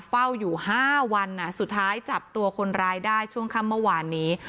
เฝ้าอยู่๕วันสุดท้ายจับตัวคนร้ายได้ช่วงค่ำเมื่อวานนี้